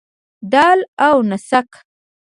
دال او نسک.